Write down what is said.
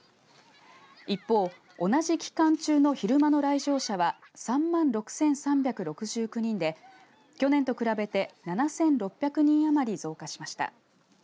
一方同じ期間中の昼間の来場者は３万６３６９人で去年と比べて７６００人余り増加しました。